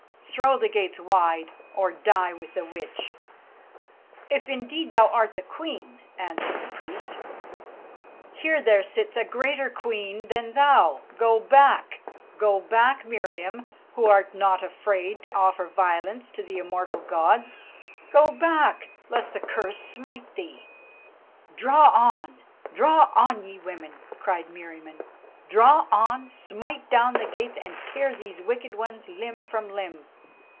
Throw the gates wide, or die with the Witch." "If indeed thou art the Queen," answered the priest, "here there sits a greater Queen than thou. Go back! Go back, Meriamun, who art not afraid to offer violence to the immortal Gods. Go back! lest the curse smite thee." "Draw on! draw on! ye women," cried Meriamun; "draw on, smite down the gates, and tear these wicked ones limb from limb."